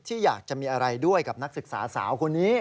อยากจะมีอะไรด้วยกับนักศึกษาสาวคนนี้